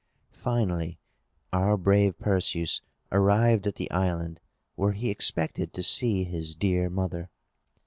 Finally, our brave Perseus arrived at the island, where he expected to see his dear mother.